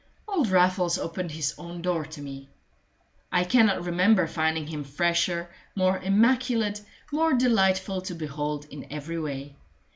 Old Raffles opened his own door to me. I cannot remember finding him fresher, more immaculate, more delightful to behold in every way.